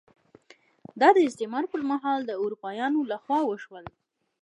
دا د استعمار پر مهال د اروپایانو لخوا وشول.